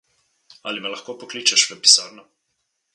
Ali me lahko pokličeš v pisarno?